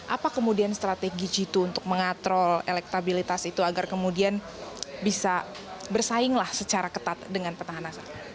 apa kemudian strategi jitu untuk mengatrol elektabilitas itu agar kemudian bisa bersainglah secara ketat dengan petahana